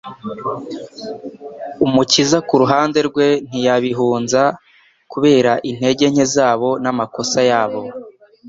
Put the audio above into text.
Umukiza ku ruhande rwe ntiyabihunza kubera intege nke zabo n'amakosa yabo.